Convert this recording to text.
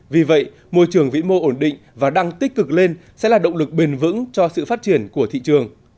vì vậy môi trường vĩ mô ổn định và đang tích cực lên sẽ là động lực bền vững cho sự phát triển của thị trường